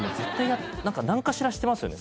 何かしらしてますよね？